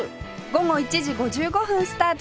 午後１時５５分スタートです。